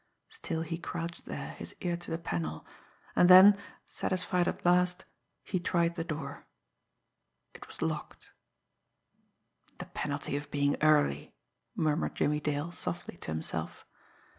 Still he crouched there, his ear to the panel and then, satisfied at last, he tried the door. It was locked. "The penalty of being early!" murmured Jimmie Dale softly to himself.